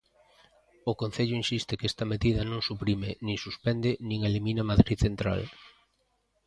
O Concello insiste que esta medida non suprime, nin suspende, nin elimina Madrid Central.